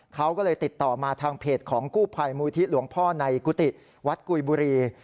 เขาก็เลยติดต่อมาทางเพจของกู้ภัยมูลที่หลวงพ่อในกุฏิวัดกุยบุรี